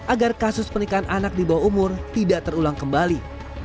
agar kasus pernikahan anak di bawah umur tidak terulang kembali